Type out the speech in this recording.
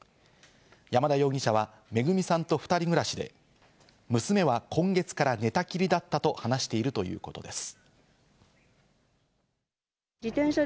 山田容疑者はめぐみさんと２人暮らしで、娘は今月から寝たきりだったと話しているということです。